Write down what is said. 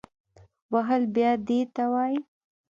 وهل بیا دې ته وایي